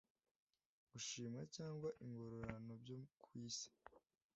gushimwa cyangwa ingororano byo ku isi